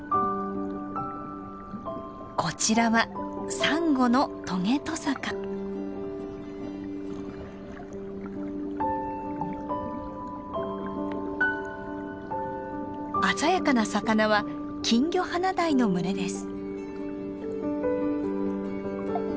こちらはサンゴの鮮やかな魚はキンギョハナダイの群れです。